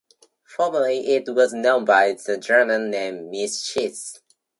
Formerly it was known by the German name "Missach".